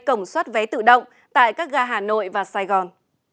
cổng soát vé tự động tại các gà hà nội và sài gòn